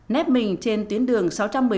nét mình trên tuyến đường sáu trăm một mươi một